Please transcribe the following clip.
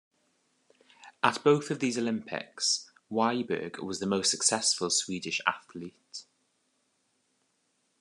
At both of these Olympics, Wiberg was the most successful Swedish athlete.